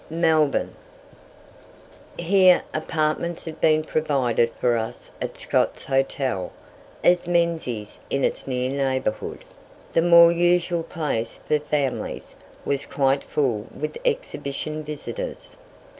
MELBOURNE. Here apartments had been provided for us at Scott's Hotel, as Menzies', in its near neighbourhood, the more usual place for families, was quite full with Exhibition visitors.